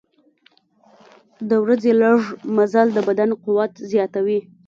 د ورځې لږ مزل د بدن قوت زیاتوي.